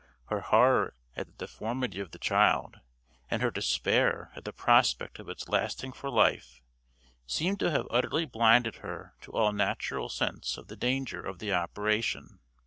Her horror at the deformity of the child, and her despair at the prospect of its lasting for life, seem to have utterly blinded her to all natural sense of the danger of the operation.